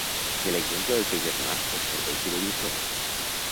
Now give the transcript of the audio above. Que l'exemple del teu germà et serveixi de lliçó.